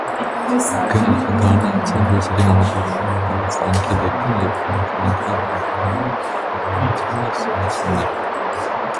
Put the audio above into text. Գարնանացան բույսերի համատարած ցանքի դեպքում՝ ետցանքային տափանում (երաշտի շրջաններում), փոցխում, սնուցումներ։